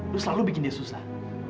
lo selalu bikin dia susah